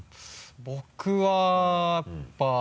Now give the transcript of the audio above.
僕はやっぱ。